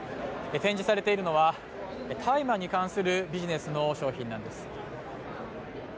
展示されているのは大麻に関するビジネスの商品なんです。